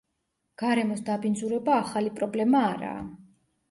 გარემოს დაბინძურება ახალი პრობლემა არაა.